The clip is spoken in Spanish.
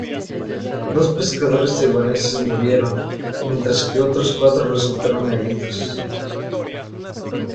Dos pescadores taiwaneses murieron, mientras que otros cuatro resultaron heridos.